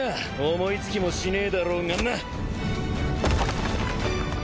思い付きもしねえだろうがな。